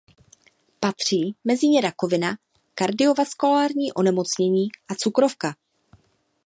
Patří mezi ně rakovina, kardiovaskulární onemocnění a cukrovka.